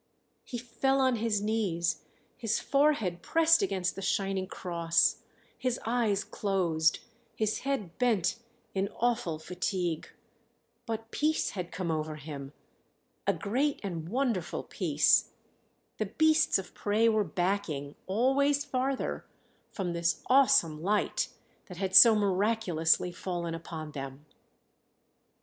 He fell on his knees, his forehead pressed against the shining cross, his eyes closed, his head bent in awful fatigue. But peace had come over him a great and wonderful peace. The beasts of prey were backing, always farther, from this awesome light that had so miraculously fallen upon them.